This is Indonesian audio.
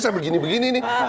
saya begini begini nih